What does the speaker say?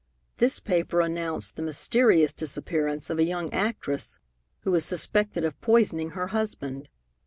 This paper announced the mysterious disappearance of a young actress who was suspected of poisoning her husband.